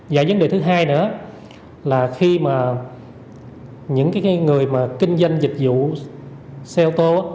và vấn đề thứ hai nữa là khi mà những người mà kinh doanh dịch vụ xe ô tô